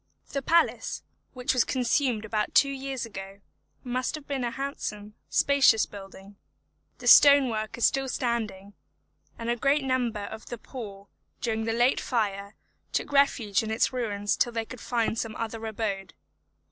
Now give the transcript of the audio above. The palace, which was consumed about two years ago, must have been a handsome, spacious building; the stone work is still standing, and a great number of the poor, during the late fire, took refuge in its ruins till they could find some other abode.